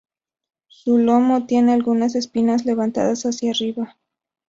Su lomo, tiene algunas "espinas" levantadas hacia arriba.